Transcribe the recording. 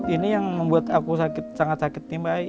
ini yang membuat aku sangat sakit nih mbak